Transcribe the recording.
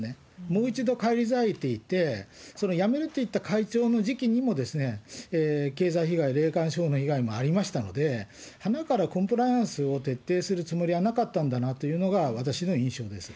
もう一度返り咲いていて、そのやめると言った会長の時期にも、経済被害、霊感商法の被害もありましたので、はなからコンプライアンスを徹底するつもりはなかったんだなというのが私の印象です。